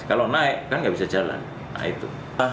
kalau naik kan nggak bisa jalan nah itu